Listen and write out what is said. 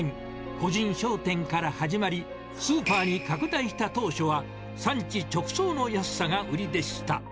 個人商店から始まり、スーパーに拡大した当初は、産地直送の安さが売りでした。